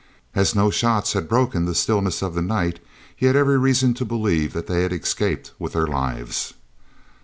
As no shots had broken the stillness of the night, he had every reason to believe that they had escaped with their lives.